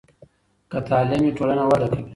که تعلیم وي، ټولنه وده کوي.